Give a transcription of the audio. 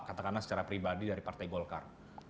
katakanlah secara pribadi dari partai golkar